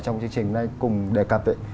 trong chương trình này cùng đề cập